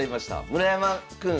「村山君